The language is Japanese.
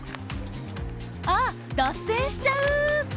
あっ脱線しちゃう！